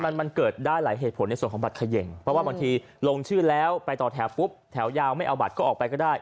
มันมันเกิดได้หลายเหตุผลในส่วนของบัตรเขย่งเพราะว่าบางทีลงชื่อแล้วไปต่อแถวปุ๊บแถวยาวไม่เอาบัตรก็ออกไปก็ได้